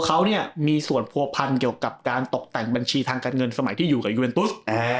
เขาเนี่ยมีส่วนผัวพันเกี่ยวกับการตกแต่งบัญชีทางการเงินสมัยที่อยู่กับยูเอ็นตุส